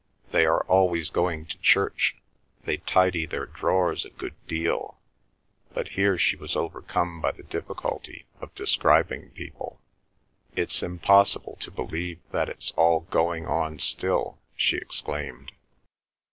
... They are always going to church. They tidy their drawers a good deal." But here she was overcome by the difficulty of describing people. "It's impossible to believe that it's all going on still!" she exclaimed.